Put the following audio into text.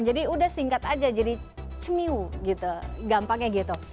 jadi udah singkat aja jadi cemil gitu gampangnya gitu